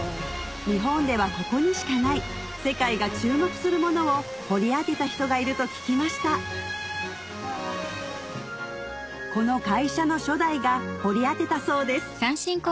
日本ではここにしかない世界が注目するものを掘り当てた人がいると聞きましたこの会社の初代が掘り当てたそうです